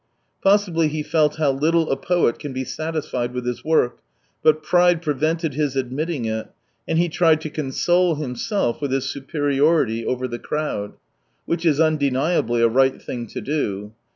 Possibly he felt how little a poet can be satisfied with his work, but pride prevented his admitting it, and he tried to console himself with his superiority over the crowd. 198 Which is undeniably a right thing to do.